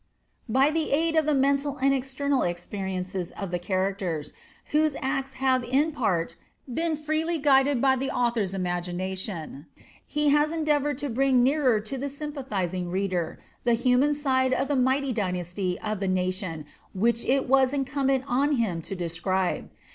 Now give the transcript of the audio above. By the aid of the mental and external experiences of the characters, whose acts have in part been freely guided by the author's imagination, he has endeavored to bring nearer to the sympathizing reader the human side of the mighty destiny of the nation which it was incumbent on him to describe.